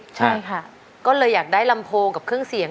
คุณยายแดงคะทำไมต้องซื้อลำโพงและเครื่องเสียง